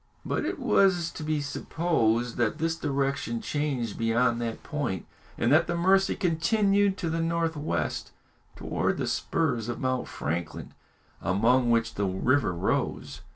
But it was to be supposed that this direction changed beyond that point, and that the Mercy continued to the north west, towards the spurs of Mount Franklin, among which the river rose.